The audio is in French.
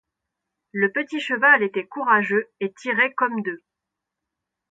Le petit cheval était courageux et tirait comme deux.